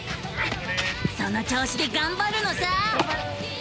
その調子でがんばるのさ！